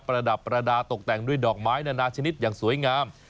ระดับประดาษตกแต่งด้วยดอกไม้นานาชนิดอย่างสวยงาม